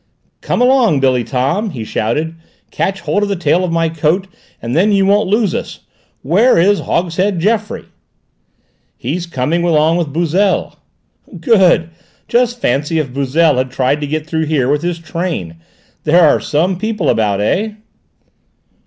"Come along, Billy Tom," he shouted. "Catch hold of the tail of my coat and then you won't lose us. Where is Hogshead Geoffroy?" "He's coming along with Bouzille." "Good! Just fancy if Bouzille had tried to get through here with his train! There are some people about, eh?"